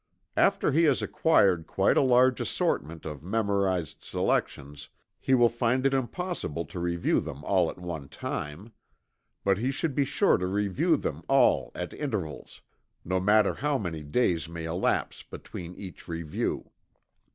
After he has acquired quite a large assortment of memorized selections, he will find it impossible to review them all at one time. But he should be sure to review them all at intervals, no matter how many days may elapse between each review.